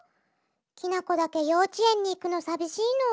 きなこだけようちえんにいくのさびしいの。